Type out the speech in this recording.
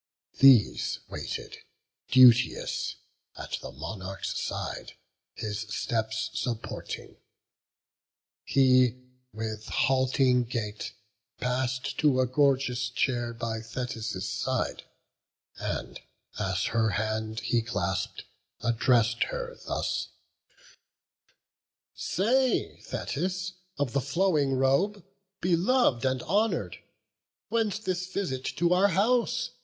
These waited, duteous, at the Monarch's side, His steps supporting; he, with halting gait, Pass'd to a gorgeous chair by Thetis' side, And, as her hand he clasp'd, address'd her thus: "Say, Thetis of the flowing robe, belov'd And honour'd, whence this visit to our house.